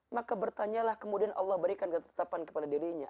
maka bertanyalah kemudian allah berikan ketetapan kepada dirinya